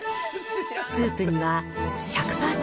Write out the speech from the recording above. スープには１００％